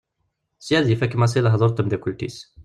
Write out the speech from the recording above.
Sya ad ifak Massi lehdur d temddakelt-is.